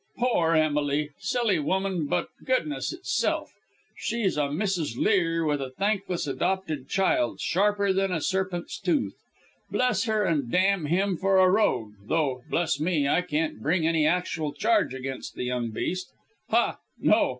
poor Emily! silly woman, but goodness itself. She's a Mrs. Lear with a thankless adopted child, sharper than a serpent's tooth. Bless her, and damn him for a rogue, though, bless me, I can't bring any actual charge against the young beast. Ha, no!